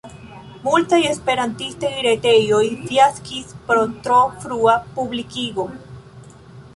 Multaj esperantaj retejoj fiaskis pro tro frua publikigo.